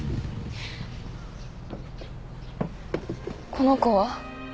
この子は？